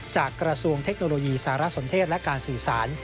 กระทรวงเทคโนโลยีสารสนเทศและการสื่อสาร